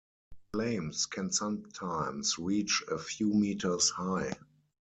Flames can sometimes reach a few meters high.